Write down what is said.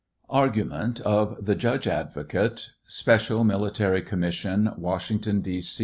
ARGUMENT OF THE JUDGE ADVOCATE. Special Military Commission, Washington, D.